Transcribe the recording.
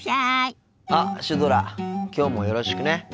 あっシュドラきょうもよろしくね。